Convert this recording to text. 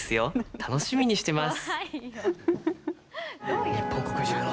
楽しみにしてます。